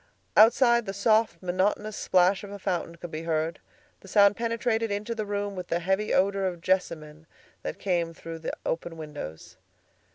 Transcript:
Outside the soft, monotonous splash of a fountain could be heard; the sound penetrated into the room with the heavy odor of jessamine that came through the open windows.